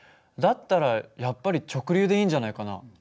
だったらやっぱり直流でいいんじゃないかな。